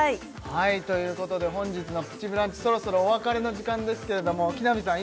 はいということで本日の「プチブランチ」そろそろお別れの時間ですけれども木南さん